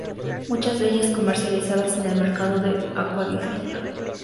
Muchas de ellas comercializadas en el mercado de acuariofilia.